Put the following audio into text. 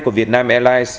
của vietnam airlines